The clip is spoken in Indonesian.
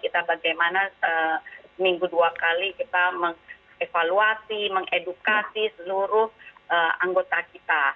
kita bagaimana seminggu dua kali kita mengevaluasi mengedukasi seluruh anggota kita